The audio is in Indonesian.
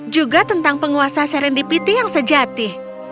juga tentang penguasa serendipity yang sejati